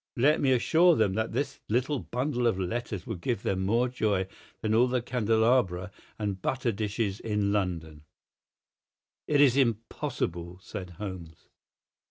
Let me assure them that this little bundle of letters would give more joy than all the candelabra and butter dishes in London." "It is impossible," said Holmes.